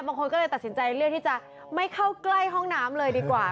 บางคนก็เลยตัดสินใจเลือกที่จะไม่เข้าใกล้ห้องน้ำเลยดีกว่า